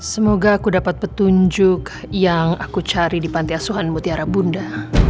semoga aku dapat petunjuk yang aku cari di panti asuhan mutiara bunda